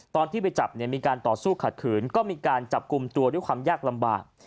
ตอนที่ไปจับเนี่ยมีการต่อสู้ขัดขืนก็มีการจับกลุ่มตัวด้วยความยากลำบาก